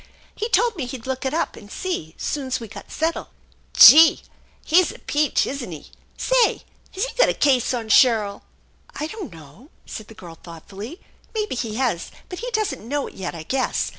He told me he'd look it up and see soon's we got settled." " Gee ! He's a peach, isn't he ? Say, has he got a case on Shirl?" " I don't know," said the girl thoughtfully ;" maybe he has, but he doesn't know it yet, I guess.